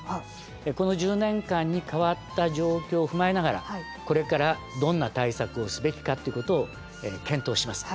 この１０年間に変わった状況を踏まえながらこれからどんな対策をすべきかっていうことを検討します。